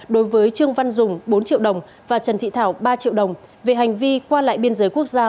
đối với trương văn dùng bốn triệu đồng và trần thị thảo ba triệu đồng về hành vi qua lại biên giới quốc gia